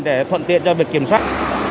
để thuận tiện cho việc kiểm soát